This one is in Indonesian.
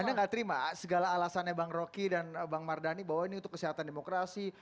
anda nggak terima segala alasannya bang rocky dan bang mardhani bahwa ini untuk kesehatan demokrasi